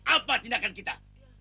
apa tindakan kita